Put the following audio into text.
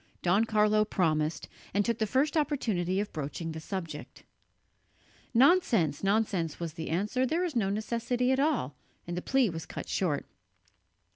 Don Carlo promised, and took the first opportunity of broaching the subject. "Nonsense, nonsense," was the answer, "there is no necessity at all," and the plea was cut short.